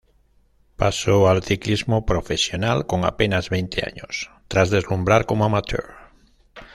Pasó al ciclismo profesional con apenas veinte años, tras deslumbrar como amateur.